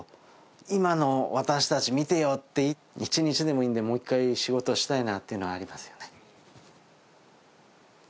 今の私たち見てよって、一日でもいいんで、もう一回仕事したいなぁっていうのはありますよね。